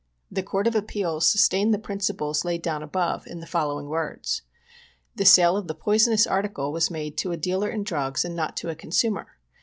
The Court of Appeals sustained the principles laid down above, in the following words :" The sale of the poisonous article was made to a dealer in drugs and not to a consumer.